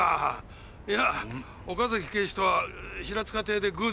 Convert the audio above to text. いや岡崎警視とは平塚亭で偶然。